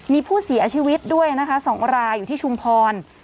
มีผู้เสียชีวิตด้วยนะคะ๒รายอยู่ที่ชุมพร